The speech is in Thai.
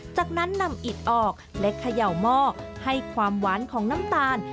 จากนั้นนำอิดออกและเขย่าหม้อให้ความหวานของน้ำตาล